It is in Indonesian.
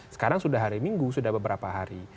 sekarang sudah hari minggu sudah beberapa hari